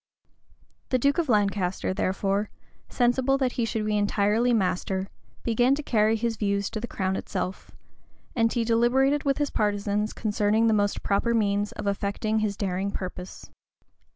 The duke of Lancaster, therefore, sensible that he should be entirely master, began to carry his views to the crown itself; and he deliberated with his partisans concerning the most proper means of effecting his daring purpose.